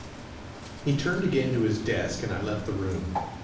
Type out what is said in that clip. He turned again to his desk and I left the room.